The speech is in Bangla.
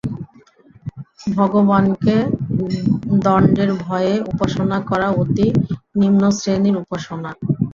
ভগবানকে দণ্ডের ভয়ে উপাসনা করা অতি নিম্নশ্রেণীর উপাসনা।